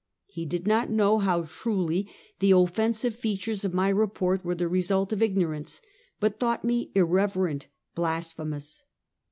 He did not know how truly the offensive features of my report were the result of ignorance ; but thought me irreverent, blasphemous.